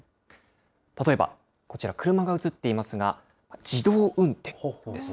例えばこちら、車が映っていますが、自動運転です。